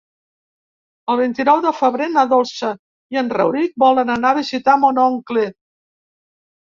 El vint-i-nou de febrer na Dolça i en Rauric volen anar a visitar mon oncle.